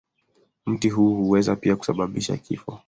Mti huu huweza pia kusababisha kifo.